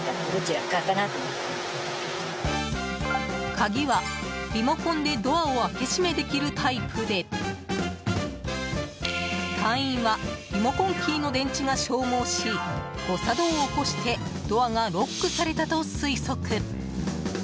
鍵は、リモコンでドアを開け閉めできるタイプで隊員はリモコンキーの電池が消耗し誤作動を起こしてドアがロックされたと推測。